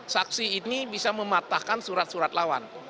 saksi ini bisa mematahkan surat surat lawan